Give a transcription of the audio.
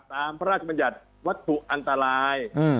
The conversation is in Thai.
พระราชบัญญัติวัตถุอันตราย